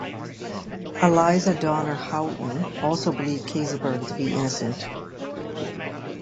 Eliza Donner Houghton also believed Keseberg to be innocent.